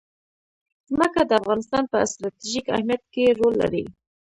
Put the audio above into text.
ځمکه د افغانستان په ستراتیژیک اهمیت کې رول لري.